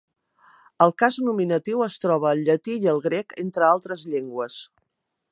El cas nominatiu es troba al llatí i al grec, entre altres llengües.